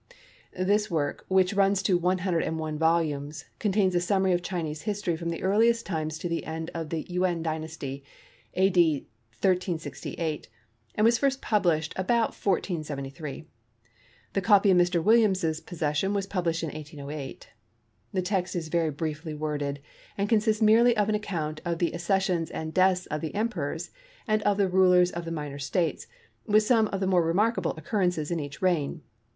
This work, which runs to 101 volumes, contains a summary of Chinese history from the earliest times to the end of the Yuen Dynasty, A.D. 1368, and was first published about 1473. The copy in Mr. Williams's possession was published in 1808. The text is very briefly worded, and consists merely of an account of the accessions and deaths of the emperors and of the rulers of the minor states, with some of the more remarkable occurrences in each reign.